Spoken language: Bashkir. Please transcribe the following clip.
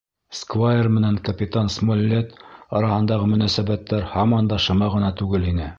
Сквайр менән капитан Смолетт араһындағы мөнәсәбәттәр һаман да шыма ғына түгел ине.